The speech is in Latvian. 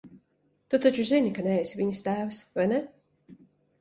Tu taču zini, ka neesi viņas tēvs, vai ne?